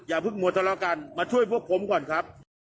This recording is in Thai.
อย่าเพิ่งมัวทะเลาะกันมาช่วยพวกผมก่อนครับ